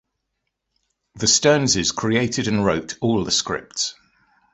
The Stearnses created and wrote all the scripts.